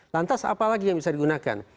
lantas apalagi yang bisa digunakan